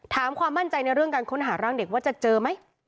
ความมั่นใจในเรื่องการค้นหาร่างเด็กว่าจะเจอไหม